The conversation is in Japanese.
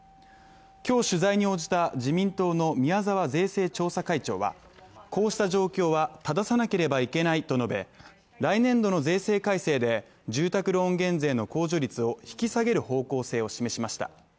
今日取材に応じた自民党の宮沢税制調査会長はこうした状況は正さなければいけないと述べ、来年度の税制改正で、住宅ローン減税の控除率を引き下げる方向性を示しました。